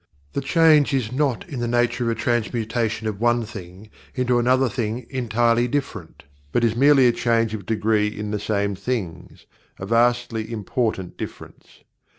The change is not in the nature of a transmutation of one thing into another thing entirely different but is merely a change of degree in the same things, a vastly important difference.